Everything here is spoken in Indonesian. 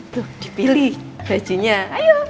tuh dipilih bajunya ayo